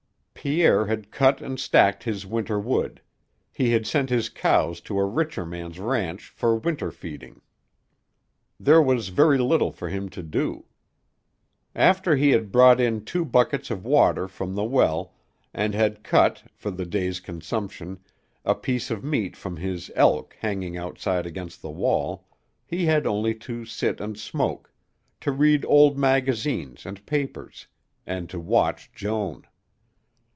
Pierre had cut and stacked his winter wood; he had sent his cows to a richer man's ranch for winter feeding. There was very little for him to do. After he had brought in two buckets of water from the well and had cut, for the day's consumption, a piece of meat from his elk hanging outside against the wall, he had only to sit and smoke, to read old magazines and papers, and to watch Joan.